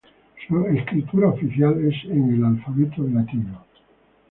Su escritura oficial es en el alfabeto latino.